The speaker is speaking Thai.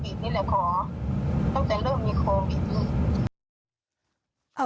ตั้งแต่โควิดนี่แหละขอ